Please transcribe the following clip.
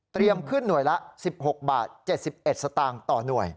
ขึ้นหน่วยละ๑๖บาท๗๑สตางค์ต่อหน่วย